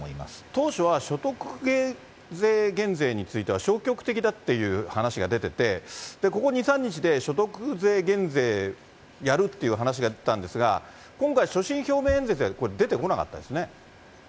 当初は所得税減税については消極的だっていう話が出てて、ここ２、３日で、所得税減税やるっていう話が出たんですが、今回、所信表明演説では、これ、出てこなかったですね。